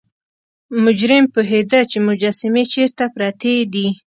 مجرم پوهیده چې مجسمې چیرته پرتې دي.